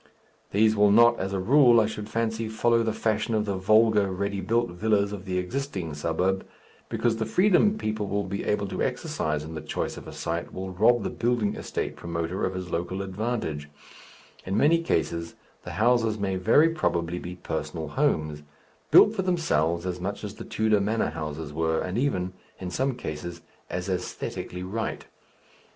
These will not, as a rule, I should fancy, follow the fashion of the vulgar ready built villas of the existing suburb, because the freedom people will be able to exercise in the choice of a site will rob the "building estate" promoter of his local advantage; in many cases the houses may very probably be personal homes, built for themselves as much as the Tudor manor houses were, and even, in some cases, as æsthetically right.